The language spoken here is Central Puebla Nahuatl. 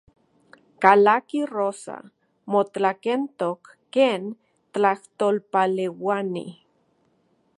Kalaki Rosa, motlakentok ken tlajtolpaleuiani.